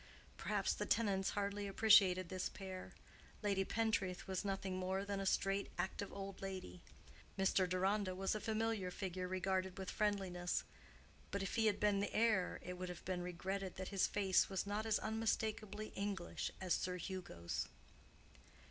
Perhaps the tenants hardly appreciated this pair. Lady Pentreath was nothing more than a straight, active old lady: Mr. Deronda was a familiar figure regarded with friendliness; but if he had been the heir, it would have been regretted that his face was not as unmistakably English as Sir Hugo's.